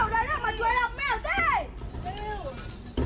แมวได้เรื่องมาช่วยรับแมวสิ